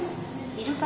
イルカ！